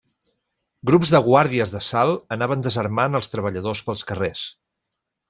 Grups de Guàrdies d'Assalt anaven desarmant els treballadors pels carrers.